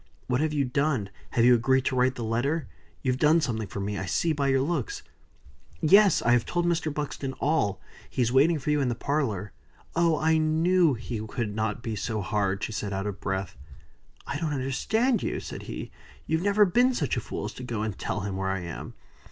"What have you done? Have you agreed to write the letter? You've done something for me, I see by your looks." "Yes! I have told Mr. Buxton all. He is waiting for you in the parlor. Oh! I knew he could not be so hard!" She was out of breath. "I don't understand you!" said he. "You've never been such a fool as to go and tell him where I am?"